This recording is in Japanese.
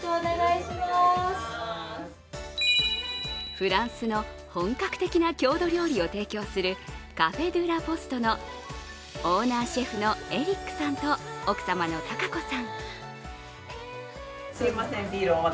フランスの本格的な郷土料理を提供するＣａｆｅｄｅｌａｐｏｓｔｅのオーナーシェフのエリックさんと奥様の貴子さん。